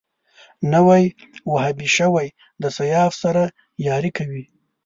نوی وهابي شوی د سیاف سره ياري کوي